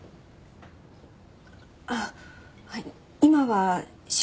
あっはい。